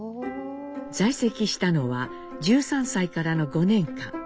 在籍したのは１３歳からの５年間。